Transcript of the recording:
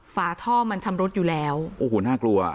ฝาท่อมันชำรุดอยู่แล้วโอ้โหน่ากลัว